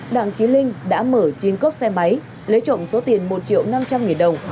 đặng trí linh đã mở chín cốc xe máy lấy trộm số tiền một triệu năm trăm linh nghìn đồng